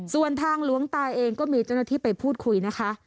ส่วนทางหลวงตาเองก็มีเจ้าหน้าที่ไปพูดคุยนะคะ